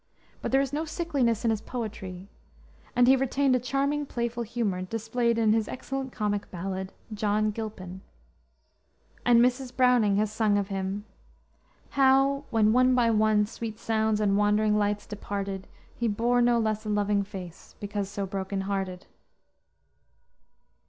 But there is no sickliness in his poetry, and he retained a charming playful humor displayed in his excellent comic ballad, John Gilpin; and Mrs. Browning has sung of him, "How when one by one sweet sounds and wandering lights departed He bore no less a loving face, because so broken hearted."